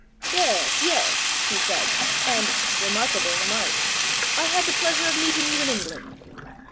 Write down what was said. "Yes, yes," he said, and (remarkable remark!), "I had the pleasure of meeting you in England."